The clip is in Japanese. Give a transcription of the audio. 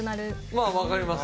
まあわかります。